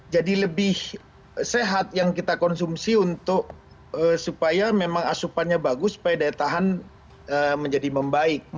jadi lebih sehat yang kita konsumsi untuk supaya memang asupannya bagus supaya daya tahan menjadi membaik